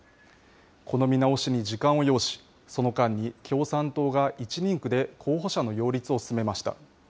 この見直しに時間を要し、その間に共産党が１人区で候補者の擁立を進めました。